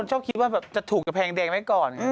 จะถูกกับแพงแดงไว้ก่อน